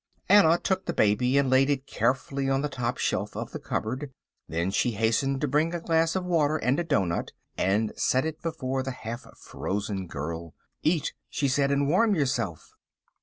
Anna took the baby and laid it carefully on the top shelf of the cupboard, then she hastened to bring a glass of water and a dough nut, and set it before the half frozen girl. "Eat," she said, "and warm yourself."